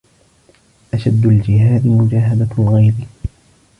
أشد الجهاد مجاهدة الغيظ